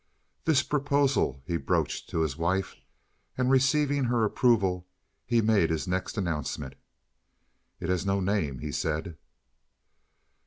This proposal he broached to his wife, and, receiving her approval, he made his next announcement. "It has no name," he said.